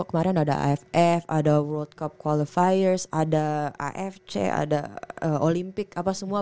kemarin ada aff ada world cup qualifiers ada afc ada olimpik apa semua